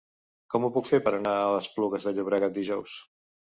Com ho puc fer per anar a Esplugues de Llobregat dijous?